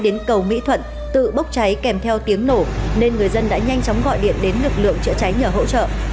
đến cầu mỹ thuận tự bốc cháy kèm theo tiếng nổ nên người dân đã nhanh chóng gọi điện đến lực lượng chữa cháy nhờ hỗ trợ